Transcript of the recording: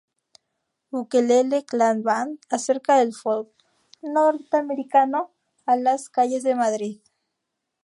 Ukelele Clan Band acercan el folk norteamericano a las calles de Madrid.